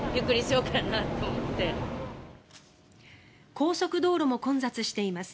高速道路も混雑しています。